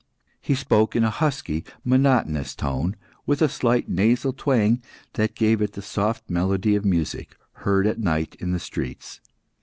He spoke in a husky, monotonous tone, with a slight nasal twang that gave it the soft melody of music heard at night in the streets.